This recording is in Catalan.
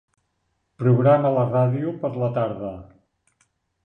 Programa la ràdio per a la tarda.